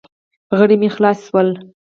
غړي مې خلاص شول.